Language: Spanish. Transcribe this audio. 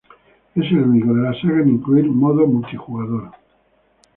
Es el único de la saga en incluir modo multijugador.